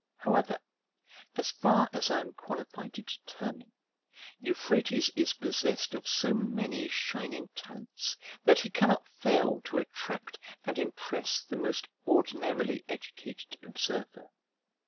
However, as far as I am qualified to determine, Euphrates is possessed of so many shining talents that he cannot fail to attract and impress the most ordinarily educated observer.